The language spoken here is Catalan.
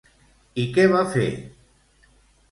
I què va fer?